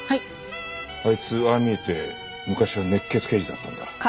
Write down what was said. あいつああ見えて昔は熱血刑事だったんだ。